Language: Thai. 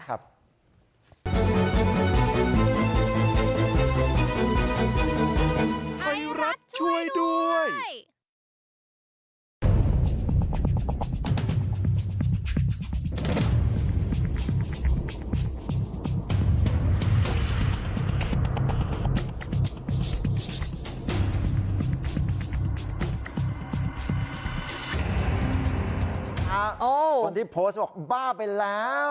คนที่โพสต์บอกบ้าไปแล้ว